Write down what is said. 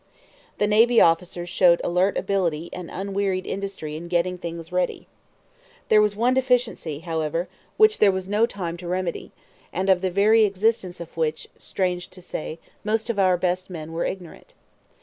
The navy officers showed alert ability and unwearied industry in getting things ready. There was one deficiency, however, which there was no time to remedy, and of the very existence of which, strange to say, most of our best men were ignorant.